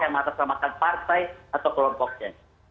yang mengatasnamakan partai atau kelompoknya